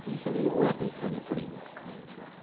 親と一緒に取りに行く感じですか？